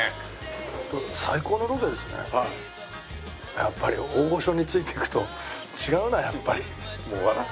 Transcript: やっぱり大御所についていくと違うなやっぱり。